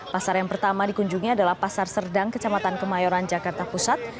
pasar yang pertama dikunjungi adalah pasar serdang kecamatan kemayoran jakarta pusat